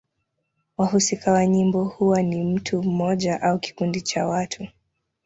Wahusika wa nyimbo huwa ni mtu mmoja au kikundi cha watu.